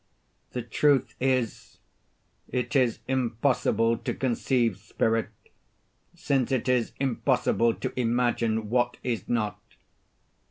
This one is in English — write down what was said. The truth is, it is impossible to conceive spirit, since it is impossible to imagine what is not.